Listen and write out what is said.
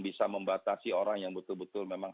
bisa membatasi orang yang betul betul memang